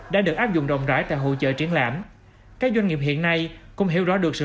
đã được áp dụng rộng rãi tại hỗ trợ triển lãm các doanh nghiệp hiện nay cũng hiểu rõ được sự